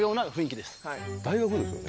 大学ですよね？